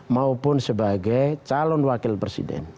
maupun sebagai calon wakil presiden